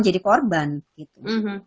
jadi korban gitu